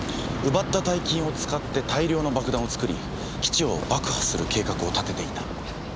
奪った大金を使って大量の爆弾を作り基地を爆破する計画を立てていた。